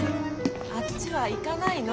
あっちは行かないの。